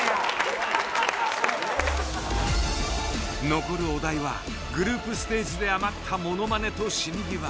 残るお題はグループステージで余った「モノマネ」と「死に際」。